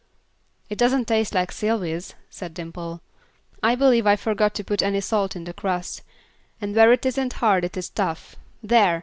"It doesn't taste like Sylvy's," said Dimple. "I believe I forgot to put any salt in the crust, and where it isn't hard it is tough; there!